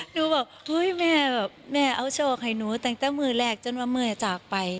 หนูบอกเฮ้ยแม่แบบแม่เอาโชคให้หนูแต่งตั้งแต่มือแรกจนว่าเมื่อยจากไป